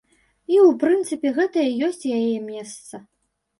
І, у прынцыпе, гэта і ёсць яе месца.